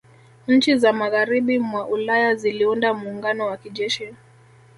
Nchi za Magharibi mwa Ulaya ziliunda muungano wa kijeshi